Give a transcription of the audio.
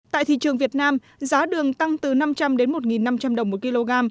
tại thị trường việt nam giá đường tăng từ năm trăm linh đến một năm trăm linh đồng một kg